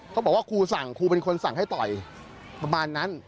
เขาบอกว่าครูสั่งครูเป็นคนสั่งให้ต่อยประมาณนั้น